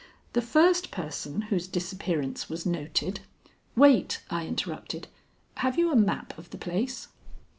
The first person whose disappearance was noted " "Wait," I interrupted. "Have you a map of the place?"